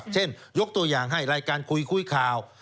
ยกตัวอย่างให้รายการคุยคุยข่าว